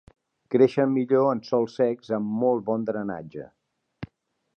Creixen millor en sòls secs amb molt bon drenatge.